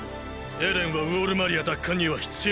エレンはウォール・マリア奪還には必要な存在です！